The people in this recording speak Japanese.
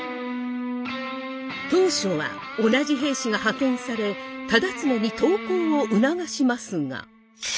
当初は同じ平氏が派遣され忠常に投降を促しますが。